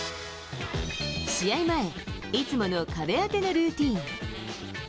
試合前、いつもの壁当てのルーティン。